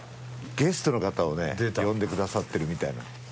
ゲストの方をね呼んでくださってるみたいなんです。